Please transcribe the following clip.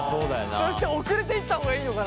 それって遅れて行った方がいいのかな？